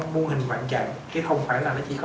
muôn hình hoạn chặn chứ không phải là nó chỉ có